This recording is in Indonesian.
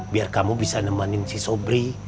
biar kamu bisa nemenin si sobri